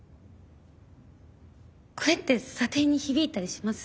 これって査定に響いたりします？